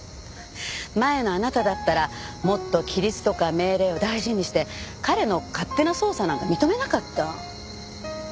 前のあなただったらもっと規律とか命令を大事にして彼の勝手な捜査なんか認めなかった。